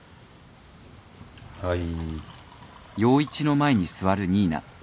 はい。